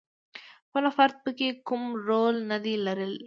خپله فرد پکې کوم رول ندی لرلای.